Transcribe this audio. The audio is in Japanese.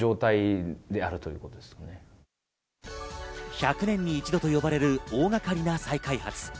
１００年に一度と呼ばれる大掛かりな再開発。